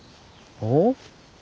おっ？